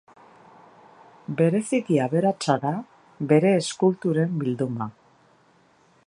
Bereziki aberatsa da bere eskulturen bilduma.